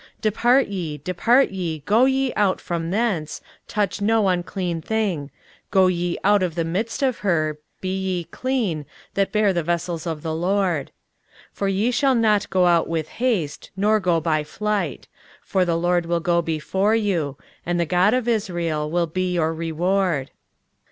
23:052:011 Depart ye, depart ye, go ye out from thence, touch no unclean thing; go ye out of the midst of her; be ye clean, that bear the vessels of the LORD. 23:052:012 For ye shall not go out with haste, nor go by flight: for the LORD will go before you; and the God of Israel will be your rereward.